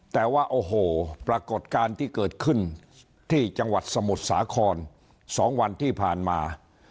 แต่ว่าโอ้โหปรากฏการณ์ที่เกิดขึ้นที่จังหวัดสมุทรสาคร๒วันที่ผ่านมา